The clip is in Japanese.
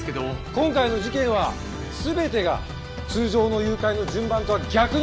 今回の事件は全てが通常の誘拐の順番とは逆に起きている。